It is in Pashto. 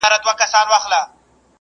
ناخوښي یوازې څو شیبې لپاره تجربه کېږي.